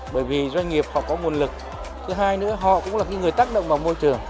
bởi vì doanh nghiệp họ có nguồn lực thứ hai nữa họ cũng là những người tác động vào môi trường